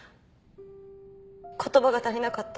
言葉が足りなかった。